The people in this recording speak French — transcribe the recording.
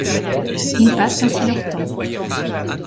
Ils passent ainsi leur temps.